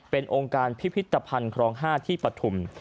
เป็นองค์การพิพิธภัณฑ์ครอง๕ที่ปฐุม